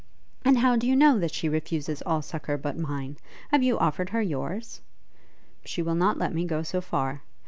'And how do you know that she refuses all succour but mine? Have you offered her yours?' 'She will not let me go so far.